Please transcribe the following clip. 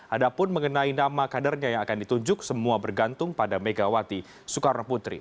ada pun mengenai nama kadernya yang akan ditunjuk semua bergantung pada megawati soekarno putri